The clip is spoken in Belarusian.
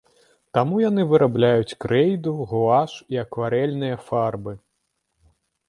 Таму яны вырабляюць крэйду, гуаш і акварэльныя фарбы.